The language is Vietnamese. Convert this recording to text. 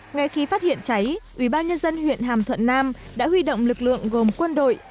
ngay khi phát hiện cháy ubnd huyện hàm thuận nam đã huy động lực lượng gồm quân đội